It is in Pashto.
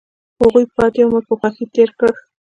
هغوی پاتې عمر په خوښۍ تیر کړ.